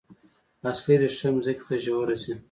اصلي ریښه ځمکې ته ژوره ځي